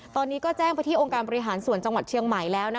ตอนนี้ก็แจ้งไปที่องค์การบริหารส่วนจังหวัดเชียงใหม่แล้ว